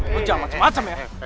lo jam macem macem ya